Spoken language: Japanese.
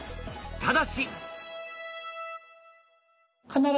ただし。